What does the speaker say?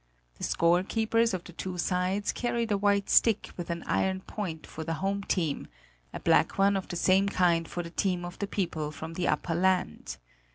The score keepers of the two sides carried a white stick with an iron point for the home team, a black one of the same kind for the team of the people from the upper land.